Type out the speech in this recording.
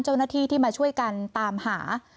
เจ้าหน้าที่ที่มาช่วยกันตามหา